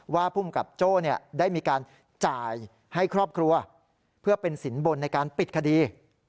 ภูมิกับโจ้ได้มีการจ่ายให้ครอบครัวเพื่อเป็นสินบนในการปิดคดี